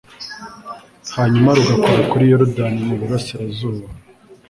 hanyuma rugakora kuri yorudani mu burasirazuba